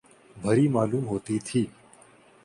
بھری معلوم ہوتی تھی ۔